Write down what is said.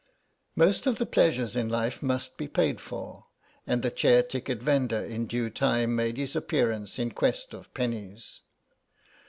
Most of the pleasures in life must be paid for, and the chair ticket vendor in due time made his appearance in quest of pennies.